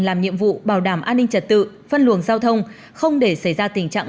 làm nhiệm vụ bảo đảm an ninh trật tự phân luồng giao thông không để xảy ra tình trạng